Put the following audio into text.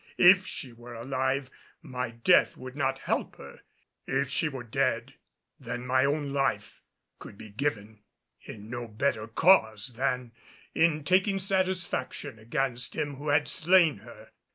If she were alive, my death would not help her; if she were dead, then my own life could be given in no better cause than in taking satisfaction against him who had slain her.